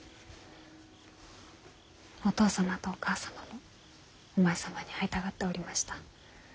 お義父様とお義母様もお前様に会いたがっておりました。